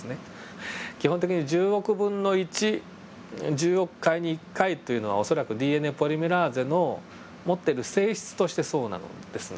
基本的に１０億分の１１０億回に１回というのは恐らくＤＮＡポリメラーゼの持っている性質としてそうなのですね。